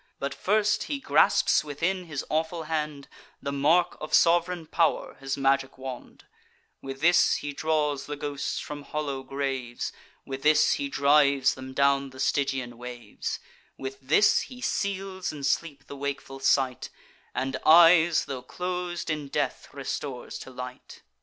But first he grasps within his awful hand The mark of sov'reign pow'r, his magic wand; With this he draws the ghosts from hollow graves; With this he drives them down the Stygian waves; With this he seals in sleep the wakeful sight, And eyes, tho' clos'd in death, restores to light.